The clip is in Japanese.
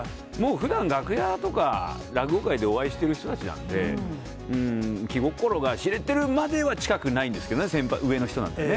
ふだん、楽屋とか、落語界でお会いしてる人たちなんで、気心が知れてるまでは近くないんですけどね、先輩、上の人なんで。